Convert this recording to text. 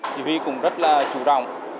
chỉ huy cũng rất là chủ rộng